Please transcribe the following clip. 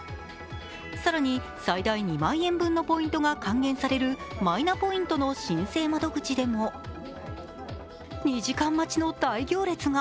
更に最大２万円分のポイントが還元されるマイナポイントの申請窓口でも２時間待ちの大行列が。